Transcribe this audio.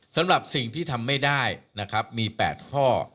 สำหรับสิ่งที่ทำไม่ได้นะครับมี๘ข้อ